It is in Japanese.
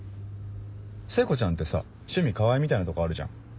聖子ちゃんってさ「趣味川合」みたいなとこあるじゃん。